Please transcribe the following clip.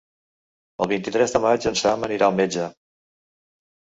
El vint-i-tres de maig en Sam anirà al metge.